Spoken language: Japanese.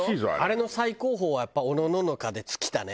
あれの最高峰はやっぱおのののかで尽きたね。